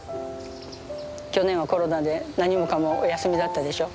去年はコロナで何もかもお休みだったでしょ。